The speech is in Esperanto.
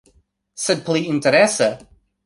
Sed pli interese...